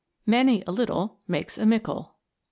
" Many a little, makes a mickle."